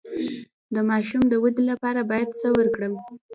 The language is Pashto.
د ماشوم د ودې لپاره باید څه ورکړم؟